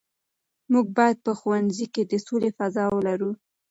موږ باید په ښوونځي کې د سولې فضا ولرو.